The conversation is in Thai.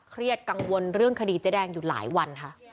กังวลเรื่องคดีเจ๊แดงอยู่หลายวันค่ะ